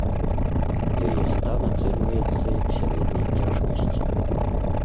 Яе стан ацэньваецца як сярэдняй цяжкасці.